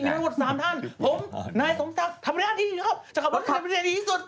มีแรกหมด๓ท่านผมนายสมทัพทำประดาษที่จะขอบรับในประเทศนี้ที่สุด